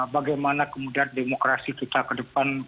bagaimana kemudian demokrasi kita ke depan